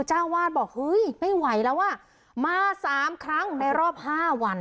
เจ้าวาดบอกเฮ้ยไม่ไหวแล้วอ่ะมาสามครั้งในรอบห้าวัน